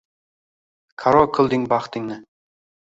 Qaro qilding baxtingni?